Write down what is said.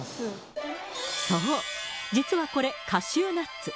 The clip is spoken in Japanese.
そう、実はこれ、カシューナッツ。